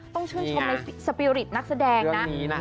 ต้องชื่นชมในสปิริตนักแสดงนะเรื่องนี้นะ